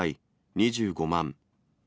２５万。